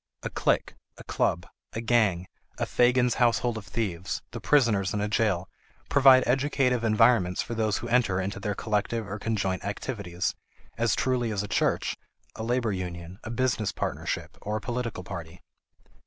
A clique, a club, a gang, a Fagin's household of thieves, the prisoners in a jail, provide educative environments for those who enter into their collective or conjoint activities, as truly as a church, a labor union, a business partnership, or a political party.